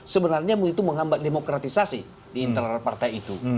sebenarnya itu menghambat demokratisasi di internal partai itu